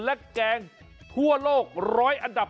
และแกงทั่วโลก๑๐๐อันดับ